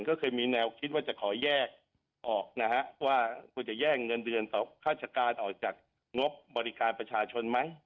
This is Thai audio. ก็เคยมีแนวคิดว่าจะขอแยกออกนะฮะว่าคุณจะแย่งเงินเดือนต่อราชการออกจากงบบริการประชาชนไหม